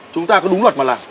chúng ta có đúng luật mà làm